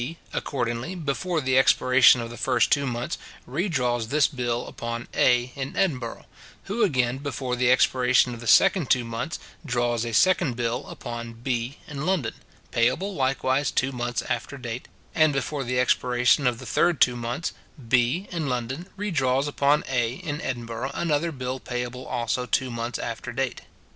B accordingly, before the expiration of the first two months, redraws this bill upon A in Edinburgh; who, again before the expiration of the second two months, draws a second bill upon B in London, payable likewise two months after date; and before the expiration of the third two months, B in London redraws upon A in Edinburgh another bill payable also two months after date.